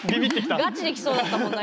ガチで来そうだったもんな